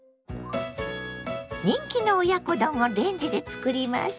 人気の親子丼をレンジで作ります。